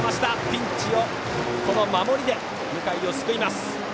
ピンチをこの守りで向井を救います。